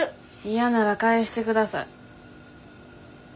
嫌なら返して下さい。